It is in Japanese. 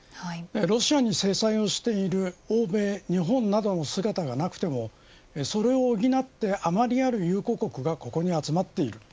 ロシアに制裁をしている欧米、日本などの姿がなくてもそれを補って余りある友好国がここに集まっている。